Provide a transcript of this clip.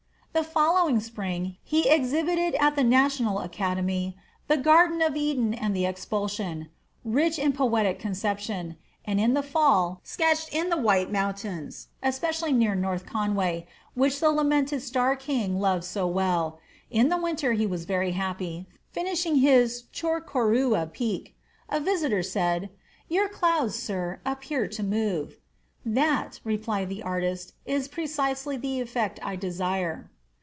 The following spring he exhibited at the National Academy the "Garden of Eden and the Expulsion," rich in poetic conception; and in the fall sketched in the White Mountains, especially near North Conway, which the lamented Starr King loved so well. In the winter he was very happy, finishing his "Chocorua Peak." A visitor said, "Your clouds, sir, appear to move." "That," replied the artist, "is precisely the effect I desire."